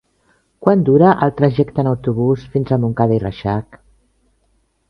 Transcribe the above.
Quant dura el trajecte en autobús fins a Montcada i Reixac?